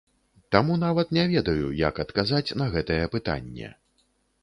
Таму нават не ведаю, як адказаць на гэтае пытанне.